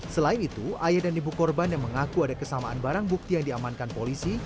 selain itu ayah dan ibu korban yang mengaku ada kesamaan barang bukti yang diamankan polisi